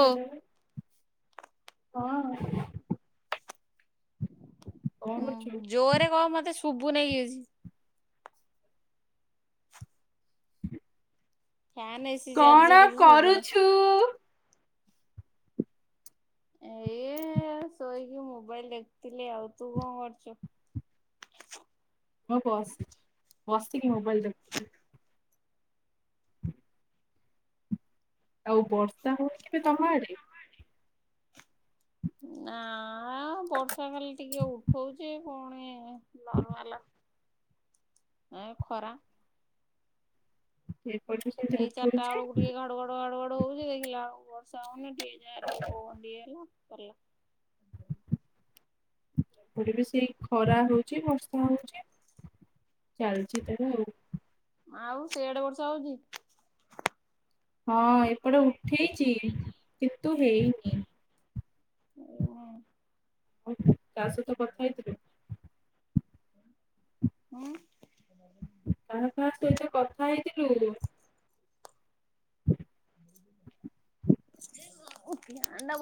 Hello. ହଁ। କଣ କରୁଛୁ? ଜୋରରେ କହ ମୋତେ ଶୁଭୁନି କିଛି। ଫ୍ୟାନ୍ ଏସିି କଣ ଚାଲିଛି କିଛି ଶୁଭୁନି। କରୁଛୁ? ଏଇ ଶୋଇକି ମୋବାଇଲ ଦେଖୁଥିଲି ଆଉ ତୁ କଣ କରୁଛୁ? ମୁଁ ବସି ବସିକି ମୋବାଇଲ ଦେଖୁଛି। ଆଉ ବର୍ଷା ହଉନିକି ତମ ଆଡେ? ନାଆଁ ଆଉ ବର୍ଷା ଖାଲି ଟିକେ ଉଠଉଛି। ପୁଣି ନର୍ମାଲ ଏ ଖରା। ଏ ପରିମିସ ଏଇ ଚାରିଟା ଅଳୁକୁ ଟିକେ ଘଡ଼ୁଘ ର ଆଡ଼ୁଆଡ଼ୁ ହୋଉଚି ଦେଖିଲା ଅଳୁକୁ ବର୍ଷା ହଉନି ଟିକେ ଯାହା ଟିକେ ପବନ ଟିକେ ହେଲା ସରଲା। ଶୋଇଚି? ଉଡ଼ି ବି ସେଇ ଖରା ହଉଚି ବର୍ଷା ହଉଚି ଚାଲଚି ତାର ଆଉ। ଆଉ ସେ ଆଡ଼େ ବର୍ଷା ହଉଚି? ହଁ ଏପଟେ ଉଠେଇଚି କେତୁ ହେଇନି। ଏରୁଆଁ। ଆଉ ତା ସହିତ କଥା ହେଇଥିଲୁ? ଉଁ? କାହା କାହା ସହିତ କଥା ହେଇଥିଲୁ? ଫ୍ୟାନ୍ ଟା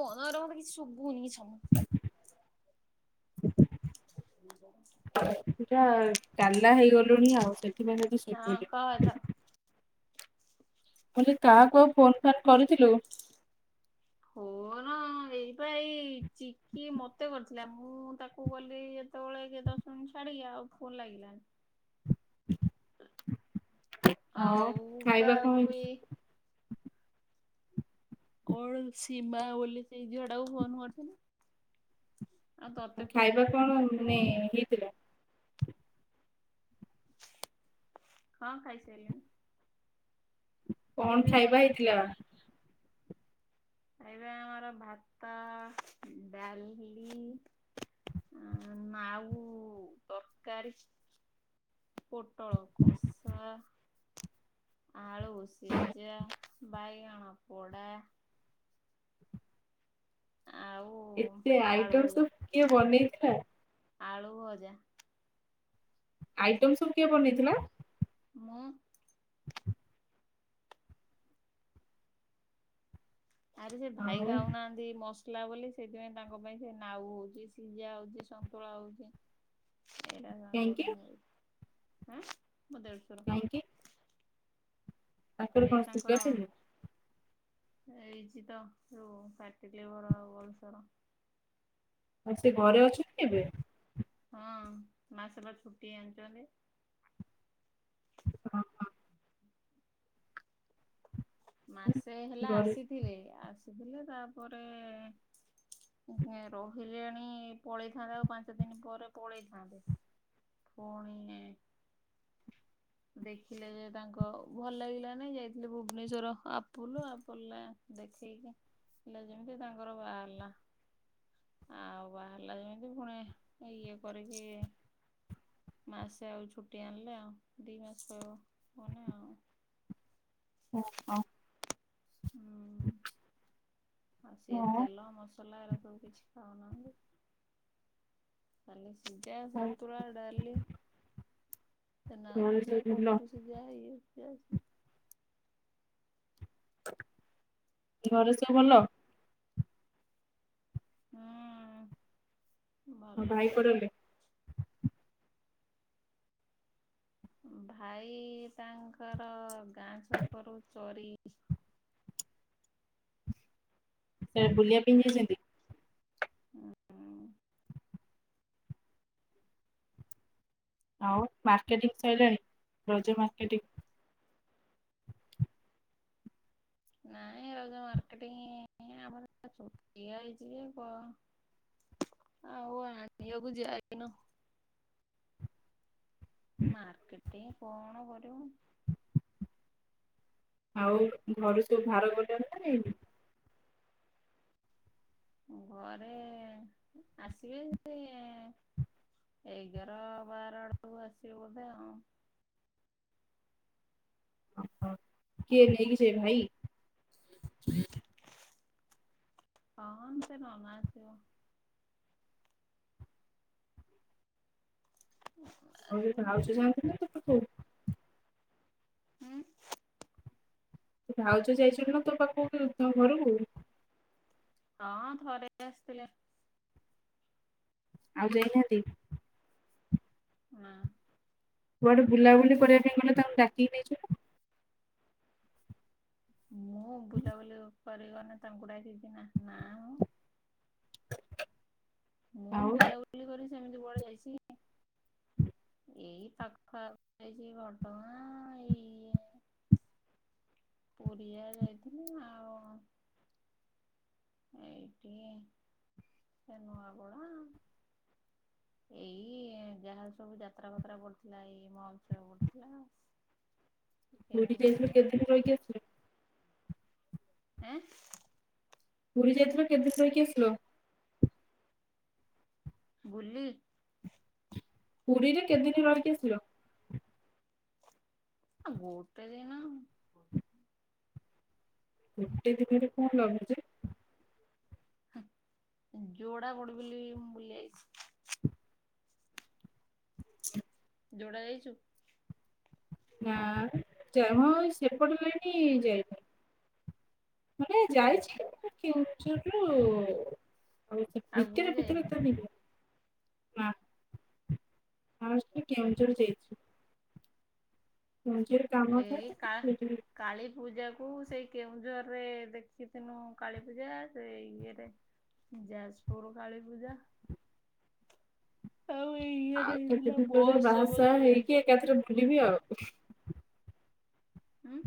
ବନ୍ଦ କରେ ମତେ କିଛି ଶୁବୁନି ସମୁ। ଇଏ ବଡ଼? ଇଟା କାଲା ହେଇଗଲୁଣି ଆଉ ସେଥିପାଇଁ ତତେ ଶୁବୁନି। ଅ ଏଥର ମୁଁ ଅଁଲି କାହାକୁ ଆଉ ଫୋନ୍ ଫାନ୍ କରିଥିଲୁ? ଫୋନ ହଁ ଏଇ ପା ଏଇ ଚିକି ମତେ କରିଥିଲା ମୁଁ ତାକୁ କଲି ଯେତୋଳେ କେତ ଉଁ ଛାଡି଼କି ଆଉ ଫୋନ୍ ଲାଗିଲାନି। ଆଉ ଖାଇବା କଣ କାହାକୁ ହେଇଛି? ଏ କଣ ସୀମା ବୋଲି ସେଇ ଝିଅଟାକୁ ଫୋନ୍ କରିଥିଲି। ଆଉ ଆ ତତେ ଫୋନ ଖାଇବା କରିଥିଲି କଣ ସେତିକି ମାନେ ତ ହେଇଥିଲା? ହଁ ଖାଇସାଇଲିଣି। କଣ ଖାଇବା ଖାଇସାରିଲୁଣି ହେଇଥିଲା? ଖାଇବା ଆମର ଭାତ, ଡାଲି ଆଉ ନାଉ ତରକାରୀ। ପୋଟଳ କଷା। ଆଳୁ ସିଜା ବାଇଗଣ ପୋଡ଼ା। ଆଉ ଏତେ ଆଳୁ ଆଇଟମ୍ ଭଜା ସବୁ କିଏ ବନେଇଥିଲା? ଆଳୁ ଭଜା। ଆଇଟମ୍ ସବୁ କିଏ ବନେଇଥିଲା? ମୁଁ। ଆରେ ସେ ଭାଇ ଆଉ ଖାଉନାହାଁ ଦି ମସଲା ବୋଲି ସେଇଥିପାଇଁ ତାଙ୍କ ପାଇଁ ସେ ନାଉ ହଉଚି, ସିଜା ହଉଚି, ସନ୍ତୁଳା ହଉଚି। ଏଇରା ତାଙ୍କ କାହିଁକି ପାଇଁ ହୋଉଚି। ଆଁ? ମୋ ଦେଡ଼ଶୁର। ଇଁ କି? କଣ ଏଇ ସୁଗାର ତାଙ୍କର ହେଇନି ହେଇଚି ତ ଯୋଉ ଫ୍ୟାଟି ଲିଭର୍ ଆଉ ଅଲସର୍। ଆଉ ସେ ଘରେ ଅଛନ୍ତି ଏବେ? ହଁ ମାସେ ପା ଛୁଟି ଆଣିଚନ୍ତି। ଅହ। ମାସେ ହେଲା ଘରେ ଆସିଥିଲେ ଆସିଥିଲେ ତାପରେ ଇଁ ହେଁ ରହିଲେଣି ପଳେଇଥାନ୍ତେ ଆଉ ପାଞ୍ଚ ଦିନ ପରେ ପଳେଇଥାନ୍ତେ। ପୁଣି ଦେଖିଲେ ଯେ ତାଙ୍କ ଭଲ ଲାଗିଲା ନାଇଁ ଯାଇଥିଲେ ଭୁବନେସ୍ଵର ଆପୁଲ, ଆପଲରେ ଦେଖେଇକି ହେଲା ଯେମିତି ତାଙ୍କର ବାହାରଲା। ଆଉ ବାହାରିଲା ଯେମିତି ପୁଣି ଇଏ କରିକି ମାସେ ଆଉ ଛୁଟି ଆଣିଲେ ଆଉ, ଦି ମାସ ଗନେ ଆଉ। ଓ ହଁ। ହୁଁ ଆଉ ସିଏ ହଁ, ତେଲ ମସଲା ଏରା ସବୁ କିଛି ଖାଉନାହାନ୍ତି। ଖାଲି ସିଝା, ଆଉ ସନ୍ତୁଳା, ଡାଲି, ସେ ନାଉ ଘରେ ସିଝା ସବୁ ଭଲ କଖାରୁ ସିଯା ଇଏ ସିଏ। ଘରେ ସବୁ ଭଲ? ହଁ। ଆଉ ଭାଇ କୁଆଡେ ଗଲେ? ଭାଇ ତାଙ୍କର ଗାଁ ଛକ ରୁ ଚରି ସେ ବୁଲିବା ପାଇଁ ଯାଇଚନ୍ତି। ହୁଁ ଉଁ। ଆଉ ମାର୍କେଟିଂ ସଇଲାଣି, ରଜ ମାର୍କେଟିଂ? ନାଇଁ ରଜ ମାର୍କେଟିଂ ଆମର [unintelligible] ହେଇଛି ଯେ କ ଆଉ [unintelligible] ମାର୍କେଟିଂ କଣ କରିବୁ। ଆଉ ଘରୁ ସବୁ ଭାର ଗଲେନି ନା [unintelligible] ଘରେ ଆସିବେ ସେ ଏଗାର ବାରଆଡକୁ ଆସିବେ ବୋଧେ ଆଉ। ଓହୋ କିଏ ନେଇକି ଯିବେ ଭାଇ? ହଁ ସେ ନନା ଆସିବ। ଆଉ ଆସିବ ଏ ଭାଉଜ ଆଉ। ଜାଣିଥିଲେ [unintelligible] ଉଁ। ତୁ ଭାଉଜ ଯାଇଚନ୍ତି ନା ତୋ ପାଖକୁ ତ ଘରକୁ? ହଁ ଥରେ ଆସିଥିଲେ। ଆଉ ଯାଇନାହାନ୍ତି। ନା। କୁଆଡେ ବୁଲାବୁଲି କରିବା ପାଇଁ ଗଲେ ତାଙ୍କୁ ଡାକିକି ନେଇଛୁ। ମୁଁ ବୁଲାବୁଲି କରିିଗନେ ତାଙ୍କୁ ଡାକିଛି ନା ନା ମ। ନା ମୁଁ ଆଉ ବୁଲାବୁଲି କରି ସେମିତି କୁଆଡେ ଯାଇଛି କି। ଏଇ ପାଖ ଆଖ ଯାଇଛି ଘଟଗାଁ ଏଇ ପୁରି ଆ ଯାଇଥିଲି ଆଉ ଏଇଟି ସେ ନୂଆ ପଡ଼ା। ଏଇ ଯାହା ସବୁ ଯାତ୍ରା ଫାତ୍ରା ପଡଥିଲା ଏଇ ମହୋତ୍ସବ ପଡଥିଲା। ପୁରୀ ଯାଇଥିଲୁ କେତେ ଦିନ ରହିକି ଆସିଲୁ? ଏଁ। ପୁରୀ ଯାଇଥିଲୁ କେତେ ଦିନ ରହିକି ଆସିଲୁ? ବୁଲି। ପୁରୀରେ କେତେଦିନ ରହିିକି ଆସିଲ? ଆ ଗୋଟେ ଦିନ। ଗୋଟେ ଦିନ ରେ କଣ ଲାଭ ଯେ? ଯୋଡା ବଡବିଲ ବୁଲି ଆଇଚୀ। ଯୋଡ଼ା ଯାଇଚୁ? ନା [unintelligible] ସେପଟ ଲାଇନ୍ ଯାଇନି। ମାନେ ଯାଇଛି କେଉଁଝରରୁ ଆଉ ଆଗକୁ ଭିତରେ ଯାଇନୁ ଭିତରେ ତାନ ନା ଫାଷ୍ଟେ କେଉଁଝର ଯାଇଛି। ମୋଝିଅର କାମ ଏଇ ଥାଏତ କା ସେଥିଲାଗି କାଳୀ ପୂଜାକୁ ସେଇଁ କେଉଁଝରରେ ଦେଖିଥିନୁ କାଳୀପୂଜା ସେଇଏରେ ଯାଜପୁର କାଳୀପୂଜା ଏଇ ଇଏରେ ଆଉ କେତେ ହେଇଥିଲା ଭିତରେ ବସ୍ ଜବ ବାହାସାହା ଯୋଉ ହେଇକି ଯାଇଥିଲା। ଏକାଥରେ ବୁଲିବି ଆଉ। ଉଁ।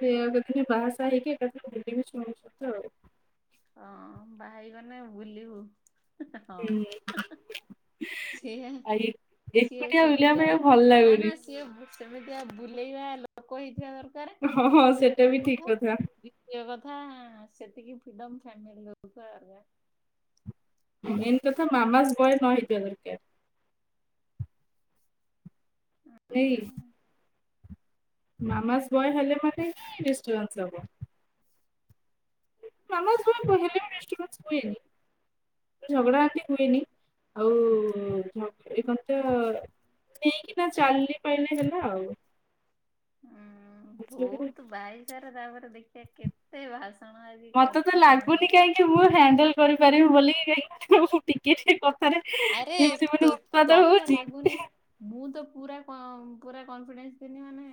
ସେଇଆକୁ ଦେଖିଲି ବାହାସାହା ହେଇକି ଏକାଥରେ ବୁଲିବି ଶୁଣୁଚନ୍ତି ଆଉ। ହଁ ବାହା ହେଇଗଲେ ବୁଲିବୁ। ହଁ ହୁଁ। ସିଏ ଆ ସିଏ ଏକୁଟିଆ ବୁଲିବା ସେମିତି ଆଉ ପାଇଁ ଭଲ ନା ନା ଲାଗୁନି। ସିଏ ସେମିତିଆଉ ବୁଲେଇବା ଲୋକ ହେଇଥିବା ଦର୍ ହଁ ହଁ ସେଇଟାବି ଠିକ୍ କଥା। ଇଏ କଥା ସେତିକି ଫିଡମ୍ ଫାମିଲି ରହୁଥା ମେନ୍ କଥା ମାମାସ୍ ବୟନ୍ ନହେଇଥିବା ଦରକାର୍। [inaudible] ନେଇସ୍ ମାମାସ୍ ବୟ ହେଲେ ମାନେହିଁ ଡିଷ୍ଟର୍ବାନ୍ସ ହବ। ମାମାସ୍ ବୟ ହେଲେବି ଡିଷ୍ଟ୍ରବାନ୍ସ ହୁଏନି। ଝଗଡ଼ାଆନ୍ତି ହୁଏନି ଆଉ ଝଗ ଏଇ କଣତ ନେଇକିନା ଚାଲି ପାଇଲେ ହେଲା ଆଉ। ବହୁତ୍ ବାହାହେଇସାର ତାପରେ ଦେଖିବା କେତେ ଭାଷଣ ମା ମତେତ ଲାଗୁନି କାହିଁକି ମୁଁ ହ୍ୟାଣ୍ଡଲ କରିପାରିବି ବୋଲି କାହିଁକି ମୁ ଟିକେ ଟିକେ କଥା ଥାରେ ଆରେ ଯେମିତି ମାନେ ଉତ୍ପାଦ ହଉଚି ମୁଁତ ପୁରା କ ପୁରା କନଫିଡେନ୍ସ ଥିନି ମାନେ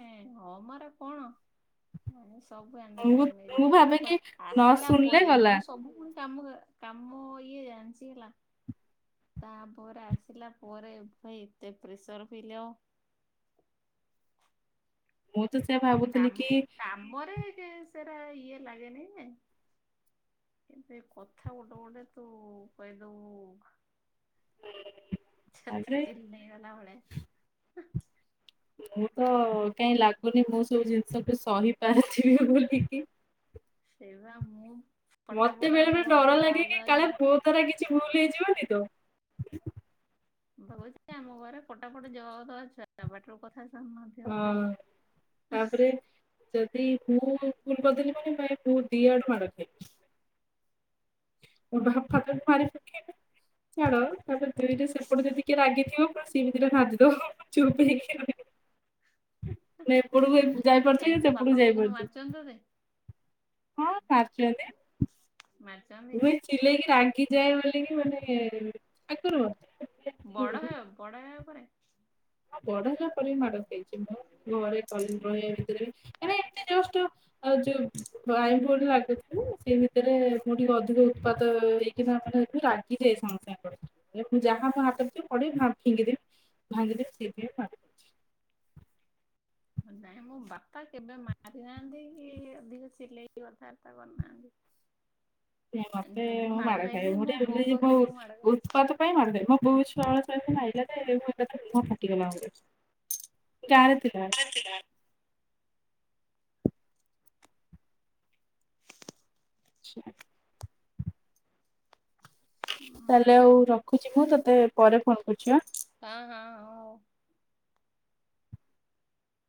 ହଁମୋ ଏରା କଣ? ମାନେ ସବୁ ହଣ୍ଡେଲ ମୁଁ ବନେଇିବୁ ମୁଁ ଭାବେ କି ତାପରେ ନ ଆସିଲା ଶୁଣିଲେ ପରେ ଗଲା ମୁଁ ସବୁ ମାନେ କାମ କ କାମ ଇଏ ଯାଣିଚି ହେଲା ତାପରେ ଆସିଲା ପରେ ଭାଇ ଏତେ ପ୍ରେସର୍ ଫିଲ ମୁଁତ ସେଆ କାମ ଭାବୁଥିଲିକି କାମରେ କେ ସେରା ଇଏ ଲାଗେନିଯେ କିନ୍ତୁ ଏ କଥା ଗୋଟେ ଗୋଟେ ତୁ କହିଦବୁ ଛାତି ତାପରେ ଚିରି ନେଇଗଲା ଭଳିଆ ମୁଁତ କାଇଁ ଲାଗୁନି ମୁଁ ସେଇ ଜିନିଷକୁ ସହି ପାରୁଥିବି ବୋଲିକି ସେଇବା ମୁଁ ମତେ ଫଟାଫଟ ଆମ ବେଳେ ବେଳେ ଘରେ ଡର ଜବାବ ଲାଗେକି ଦବା କାଳେ ଝିଅ ମୋ ଦ୍ୱାରା କିଛି ଭୁଲ ହେଇଯିବନିତ? ମୁଁପା କଉଚି ଆମ ଘରେ ଫଟାଫଟ ଜବାବଦବା ଛୁଆଟା ପାଟିରୁ କଥା ଶନା ହଁ ତାପରେ ଯଦି ମୁଁ ଭୁଲ୍ କରିଦେନି ମାନ ଭାଇ ମୁଦିଆଡ଼ୁ ମାଡ଼ ଖାଇବି। ମୋବାପାତ ମାରିପକେଇବେ ଛାଡ଼ ତାପରେ ଦୁଇଟରେ ସେପଟେ ଯଦି କିଏ ରାଗିଥିବ ପୁଣି ସିଏବି ଦିଇଟା ନାଧିଦବ। ଚୁପ୍ ହେଇକି ରହିବି। ଏପଟୁକୁ ବି କାଇଁ ଯାଇପାରୁଥିବି ତୋ ବାପା ସେପଟୁକୁ ଯାଇ କୋଉଦିନ ପାରୁଥିବି। ମାରିଛନ୍ତି ତତେ ହଁ ପାରିଚନ୍ତି। ମା ମୁ ଏଇ ଚିଲେଇକି ରାଗି ଯାଏ ବୋଲି କିମାନେ ଇଏ ଆଗରୁ ମତେ ବଡ଼ ଏମିତି- ହେ ବଡ଼ ହେବା ପରେ? ହଁ ବଡ଼ ହେଲା ପରେ ବି ମାଡ଼ ଖାଇଛି ମୁଁ ଘରେ [unintelligible] ରହିବା ଭିତରେ ଏରା ଏମିତି ଜଷ୍ଟ ଯୋଉ ଭାଇ ବୋଲି ଲାଗୁଥିଲି ସେଇ ଭିତରେ ମୁଁ ଟିକେ ଅଧିକ ପାତ ହେଇକିନା ମାନେ ମୁ ରା [unintelligible] ଯାହା ମୋ ହାତ ରେ ଥିବ ପଡ଼େ ଭା ଫିଙ୍ଗିଦେବି ଭାଙ୍ଗିଦେବି ସେଇଥିପାଇଁ ମାଡ ଖାଇଛି। ନାଇଁ ମୋ ବାପା କେବେ ମାରିନାହାନ୍ତି କି ଅଧିକ ଚିଲେଇ କି କଥାବାର୍ତ୍ତା କରିନାହାନ୍ତି। ସେ ମତେ ଯଦି ମୁ ମାଡ ମାଡ଼ ଖାଇବି ଖାଇଛି ମୁଁ ମୋ ବୋଉ ଟିକେ ପାଖରୁ ମୁଁ [unintelligible] ମାଡ ଖାଇଛି। ଉତ୍ପାତ ପାଇଁ ମାରିଦେବେ ମୋ ବୋଉ ଛୁଆ ବେଳେ ସେତି ମାଇଲା ଯେ ମୁଁ ଏକା ଥରେ ମୁହଁ ପାଟିଗଲା ମୋର। ଗାଁରେ ଥିଲା ଏଳେ। [unintelligible] ଆଚ୍ଛା। ତାହେଲେ ଆଉ ରଖୁଚି ମୁଁ ତୋତେ ପରେ ଫୋନ କରୁଛି ଆଁ। ଆଁ ଆଁ ଅଁ।